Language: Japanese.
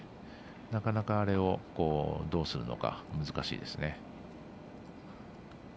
なかなか、あれをどうするのか難しいですね。